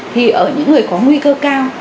thì ở những người có nguy cơ cao